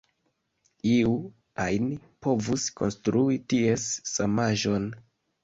Iu ajn povus konstrui ties samaĵon.